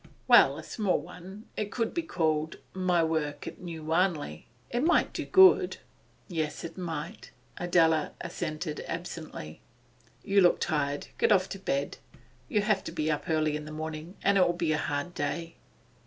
'Well, a small one. It could be called, "My Work at New Wanley." It might do good.' 'Yes, it might,' Adela assented absently. 'You look tired. Get off to bed; you'll have to be up early in the morning, and it'll be a hard day.